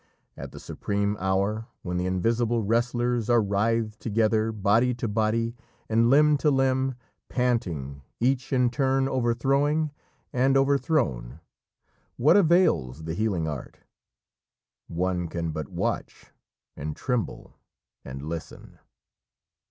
At the supreme hour, when the invisible wrestlers are writhed together body to body and limb to limb, panting, each in turn overthrowing and overthrown, what avails the healing art? One can but watch, and tremble, and listen!